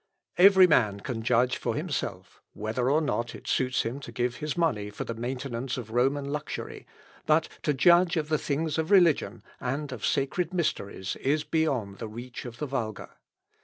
Every man can judge for himself, whether or not it suits him to give his money for the maintenance of Roman luxury, but to judge of the things of religion, and of sacred mysteries, is beyond the reach of the vulgar.